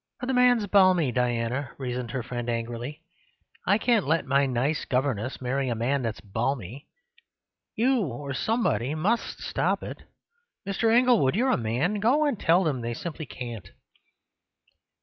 "But the man's balmy, Diana," reasoned her friend angrily. "I can't let my nice governess marry a man that's balmy! You or somebody MUST stop it!—Mr. Inglewood, you're a man; go and tell them they simply can't."